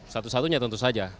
satu satunya tentu saja